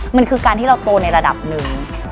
มันคือการที่เราโตในระดับหนึ่ง